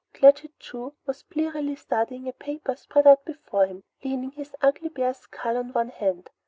Claggett Chew was blearily studying a paper spread out before him, leaning his ugly bare skull on one hand.